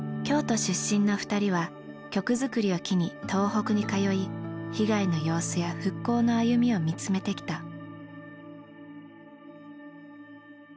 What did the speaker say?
京都出身の２人は曲作りを機に東北に通い被害の様子や復興の歩みを見つめてきた。